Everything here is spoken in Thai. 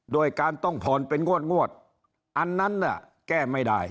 โดยการต้องผ่อนเป็นงวดอันนั้นน่ะแก้ไม่ได้